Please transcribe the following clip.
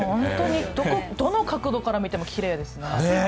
どの角度から見てもきれいですね。